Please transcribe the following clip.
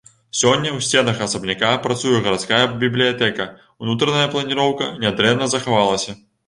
Сёння ў сценах асабняка працуе гарадская бібліятэка, унутраная планіроўка нядрэнна захавалася.